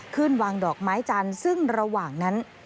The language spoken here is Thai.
ขึ้นวางดอกไม้จันทร์ซึ่งระหว่างนั้น